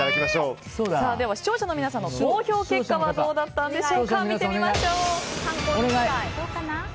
視聴者の皆さんの投票結果はどうだったんでしょうか。